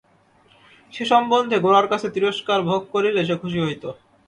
সে সম্বন্ধে গোরার কাছে তিরস্কার ভোগ করিলে সে খুশি হইত।